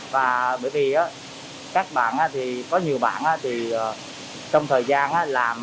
và bởi vì các bạn thì có nhiều bạn thì trong thời gian làm